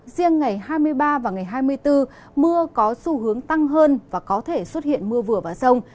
riêng ngày hai mươi ba và ngày hai mươi bốn mưa có xu hướng tăng hơn và có thể xuất hiện mưa vừa và rông